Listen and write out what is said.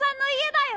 だよ！